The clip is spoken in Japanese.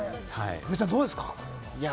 古井さん、どうですか？